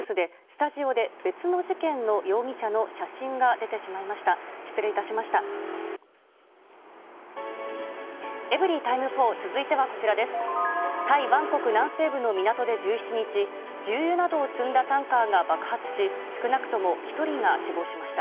タイ・バンコク南西部の港で１７日、重油などを積んだタンカーが爆発し、少なくとも１人が死亡しました。